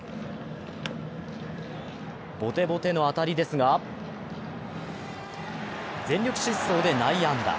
ボテボテの当たりですが全力疾走で内野安打。